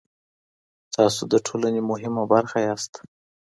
تاسو د ټولني مهمه برخه ياست.